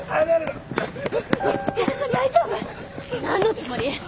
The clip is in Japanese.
何のつもり？